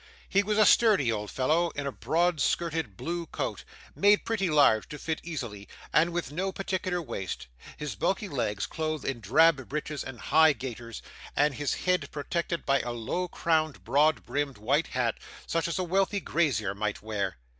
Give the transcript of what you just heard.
He was a sturdy old fellow in a broad skirted blue coat, made pretty large, to fit easily, and with no particular waist; his bulky legs clothed in drab breeches and high gaiters, and his head protected by a low crowned broad brimmed white hat, such as a wealthy grazier might wear.